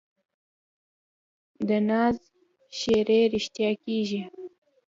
د ناز ښېرې رښتیا کېږي.